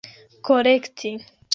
kolekti